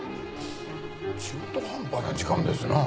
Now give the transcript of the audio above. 中途半端な時間ですな。